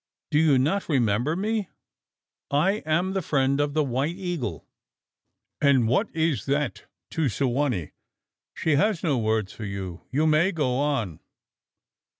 "Do you not remember me? I am the friend of the White Eagle." "And what is that to Su wa nee? She has no words for you you may go on!"